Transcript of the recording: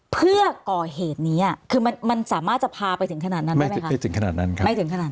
เพื่อก่อเหตุนี้คือมันสามารถจะพาไปถึงขนาดนั้นได้ไหมคะ